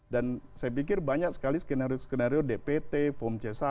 dan saya pikir banyak sekali skenario skenario dpt form c satu